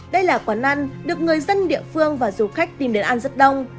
đây là quán ăn được người dân địa phương và du khách tìm đến ăn rất đông